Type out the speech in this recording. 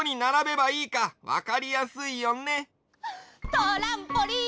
トランポリン！